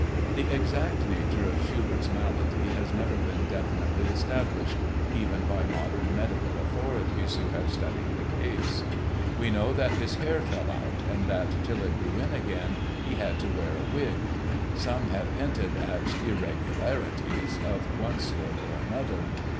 The exact nature of Schubert's malady has never been definitely established, even by modern medical authorities who have studied the case. We know that his hair fell out and that till it grew in again he had to wear a wig. Some have hinted at "irregularities" of one sort or another.